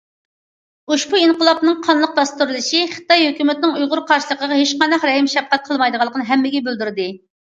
ئۇشبۇ ئىنقىلابنىڭ قانلىق باستۇرۇلۇشى خىتاي ھۆكۈمىتىنىڭ ئۇيغۇر قارشىلىقىغا ھېچقانداق رەھىم- شەپقەت قىلمايدىغانلىقىنى ھەممىگە بىلدۈردى.